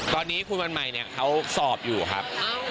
ตอนนี้คุณวันใหม่เนี่ยเขาสอบอยู่ครับ